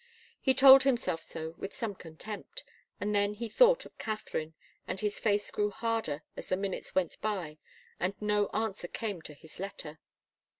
He told himself so with some contempt, and then he thought of Katharine, and his face grew harder as the minutes went by and no answer came to his letter.